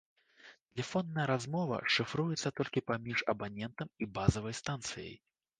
Тэлефонная размова шыфруецца толькі паміж абанентам і базавай станцыяй.